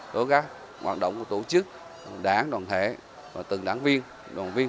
của các hoạt động của tổ chức đảng đoàn thể từng đảng viên đoàn viên